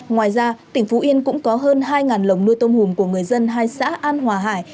ngoài ra tỉnh phú yên cũng có hơn hai lồng nuôi tôm hùm của người dân hai xã an hòa hải